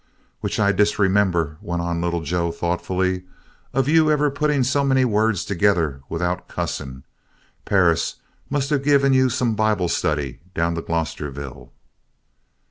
"Which I disremember," went on Little Joe thoughtfully, "of you ever putting so many words together without cussing. Perris must of give you some Bible study down to Glosterville."